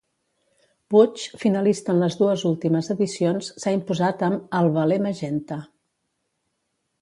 Puig, finalista en les dues últimes edicions, s'ha imposat amb "El veler magenta".